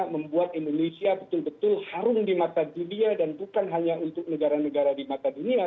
membuat indonesia betul betul harum di mata dunia dan bukan hanya untuk negara negara di mata dunia